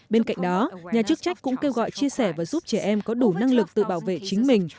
bên cạnh đó nhà chức trách cũng kêu gọi chia sẻ và giúp trẻ em có đủ năng lực tự bảo vệ chính mình